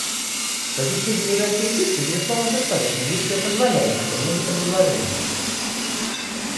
Позиция делегации Египта, безусловно, достаточно гибкая и позволяет нам принять это предложение.